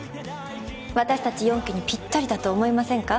私たち四鬼にぴったりだと思いませんか？